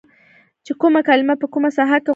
چې کومه کلمه په کومه ساحه کې غوره ده